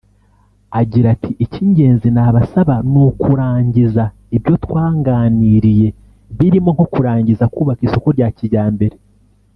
Agira ati “Icy’ingenzi nabasaba ni ukurangiza ibyo twanganiriye birimo nko kurangiza kubaka isoko rya Kijyambere